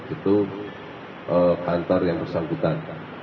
itu kantor yang bersangkutan